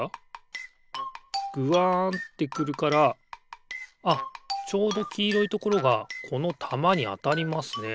ぐわんってくるからあっちょうどきいろいところがこのたまにあたりますね。